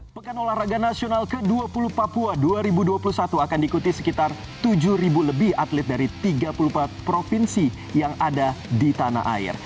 pekan olahraga nasional ke dua puluh papua dua ribu dua puluh satu akan diikuti sekitar tujuh lebih atlet dari tiga puluh empat provinsi yang ada di tanah air